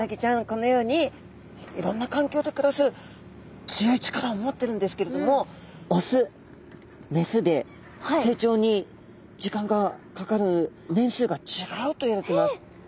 このようにいろんな環境で暮らす強い力を持ってるんですけれども雄雌で成長に時間がかかる年数が違うといわれてます。